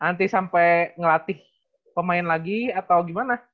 nanti sampai ngelatih pemain lagi atau gimana